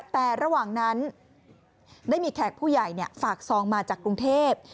แต่ระหว่างนั้นได้มีแขกผู้ใหญ่ฝากซองมาจากกรุงเทพ